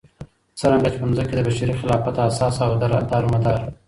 څرنګه چې په ځمكه كې دبشري خلافت اساس او دارمدار